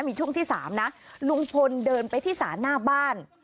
มีช่วงที่๓นะลุงพลเดินไปที่ศาลหน้าบ้าน